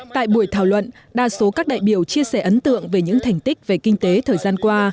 tại buổi thảo luận đa số các đại biểu chia sẻ ấn tượng về những thành tích về kinh tế thời gian qua